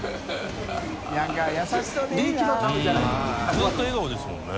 ずっと笑顔ですもんね。